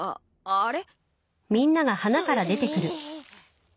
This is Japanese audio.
あれ？